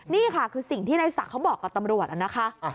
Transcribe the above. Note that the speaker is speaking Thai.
นี่ค่ะคือสิ่งที่นายศักดิ์เขาบอกกับตำรวจนะคะ